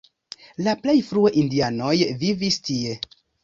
La plej frue indianoj vivis tie.